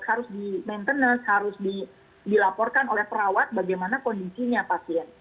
harus di maintenance harus dilaporkan oleh perawat bagaimana kondisinya pasien